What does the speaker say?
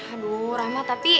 aduh rahma tapi